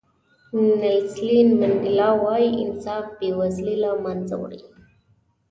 نیلسن منډیلا وایي انصاف بې وزلي له منځه وړي.